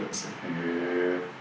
へえ。